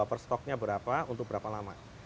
per stoknya berapa untuk berapa lama